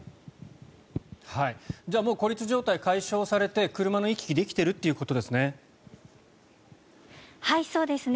もう孤立状態は解消されて車の行き来ができているということですね？